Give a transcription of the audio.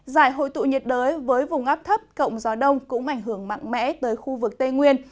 giải hội tụ nhiệt đới với vùng áp thấp cộng gió đông cũng ảnh hưởng mạnh mẽ tới khu vực tây nguyên